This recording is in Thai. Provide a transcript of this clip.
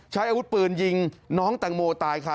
ใช้อาวุธปืนยิงน้องแตงโมตายค่ะ